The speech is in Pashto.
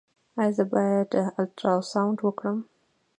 ایا زه باید الټراساونډ وکړم؟